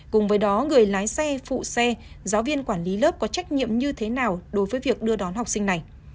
cùng với đó người lái xe phụ xe giáo viên quản lý lớp có trách nhiệm như thế nào đối với việc đưa đón học sinh này